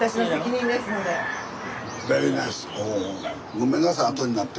ごめんなさい後になって。